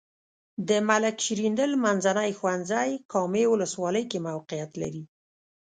د ملک شیریندل منځنی ښونځی کامې ولسوالۍ کې موقعیت لري.